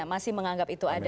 masih menganggap itu ada